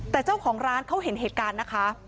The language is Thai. แต่เจ้าของร้านเขาเห็นเหตุการณ์นะคะ